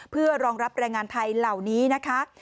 เพื่อรองรับแรงงานไทยเหล่านี้นะคะ